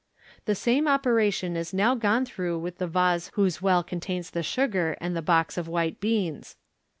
The same operation is now gone through with the vase whose well contains the sugar, and the box of white beans.